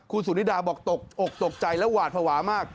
คุณสุนิดาบอกตกอกตกใจและหวาดภาวะมาก